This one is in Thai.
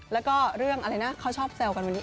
แล้วก็เรื่องอะไรนะเขาชอบแซวกันวันนี้